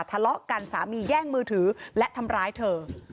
ทะเลาะกันสามีแย่งมือถือและทำร้ายเธอ